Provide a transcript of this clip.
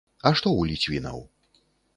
А што ў ліцвінаў?